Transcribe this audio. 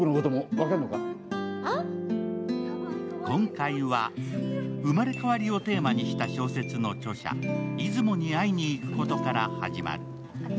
今回は生まれ変わりをテーマにした小説の著者、出雲に会いに行くことから始まる。